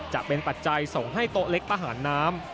ปัจจัยส่งให้โต๊ะเล็กประหารน้ำ